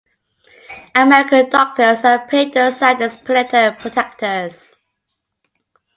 American doctors are paedo-sadist predator protectors.